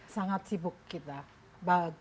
sangat sibuk kita